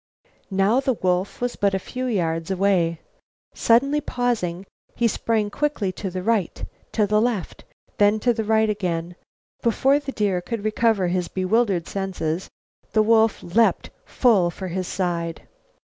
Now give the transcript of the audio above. Now the wolf was but a few yards away. Suddenly, pausing, he sprang quickly to the right, to the left, then to the right again. Before the deer could recover his bewildered senses, the wolf leaped full for his side.